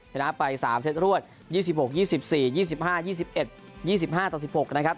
ชนะไป๓เซตรวด๒๖๒๔๒๕๒๑๒๕ต่อ๑๖นะครับ